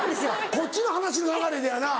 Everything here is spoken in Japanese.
こっちの話の流れでやな